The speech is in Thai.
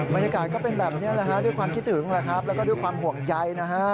บรรยากาศก็เป็นแบบนี้ล่ะครับด้วยความคิดถึงแล้วก็ด้วยความห่วงใย